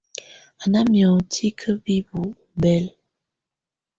Á na miangɔ̀á tikǝ́ bibuǝ́ ɔmbɛla.